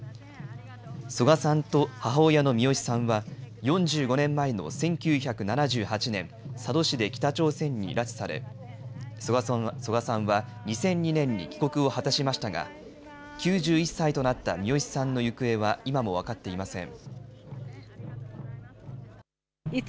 曽我さんと母親のミヨシさんは４５年前の１９７８年佐渡市で北朝鮮に拉致され曽我さんは２００２年に帰国を果たしましたが９１歳となったミヨシさんの行方は今も分かっていません。